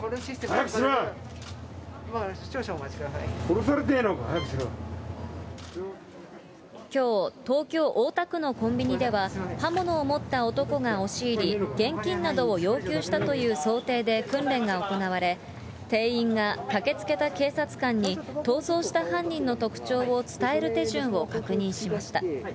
殺されてぇのか、きょう、東京・大田区のコンビニでは、刃物を持った男が押し入り、現金などを要求したという想定で訓練が行われ、店員が駆けつけた警察官に、逃走した犯人の特徴を伝える手順を確認しました。